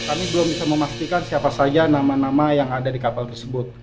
kami belum bisa memastikan siapa saja nama nama yang ada di kapal tersebut